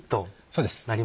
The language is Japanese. そうです。